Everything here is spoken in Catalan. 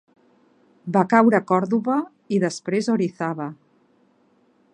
Va caure Còrdova i després Orizaba.